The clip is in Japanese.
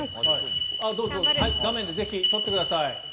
画面でぜひ、撮ってください。